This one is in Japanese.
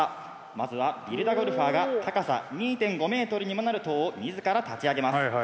まずはビルダゴルファーが高さ２．５メートルにもなる塔を自ら立ち上げます。